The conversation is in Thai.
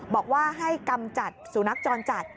บอกว่าให้กำจัดสุนัขจรจัด